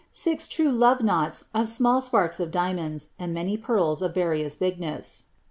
goUl, six true love ttnots of small sparks of diamonds, sod many pcwb of various bigneas.